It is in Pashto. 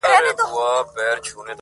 څه په هنر ريچي ـ ريچي راته راوبهيدې_